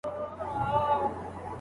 ما یې پښو ته وه لیدلي بې حسابه وزرونه